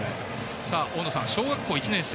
大野さん、小学校１年生。